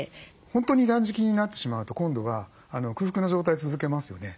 本当に断食になってしまうと今度は空腹な状態続けますよね。